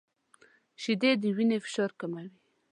• شیدې د وینې فشار کموي.